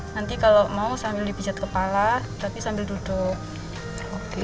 nanti kalau mau sambil dipijat kepala tapi sambil duduk